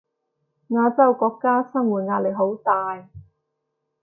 亞洲國家生活壓力好大